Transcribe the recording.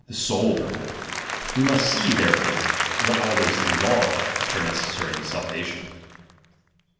sviii the soul. We must see, therefore, what all thra "■' things are, which are necessary to salvation.